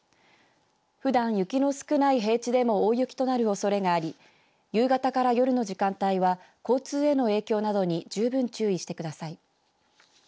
ふだん雪の少ない平地でも大雪となるおそれがあり夕方から夜の時間帯は交通への影響などに十分注意してください。